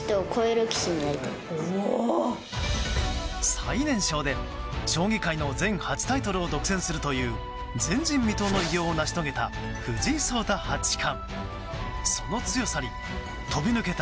最年少で、将棋界の全８タイトルを独占するという前人未到の偉業を成し遂げた藤井聡太八冠。